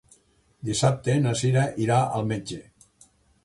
Dissabte na Sira irà al metge.